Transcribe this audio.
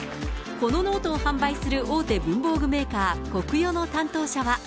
このノートを販売する大手文房具メーカー、コクヨの担当者は。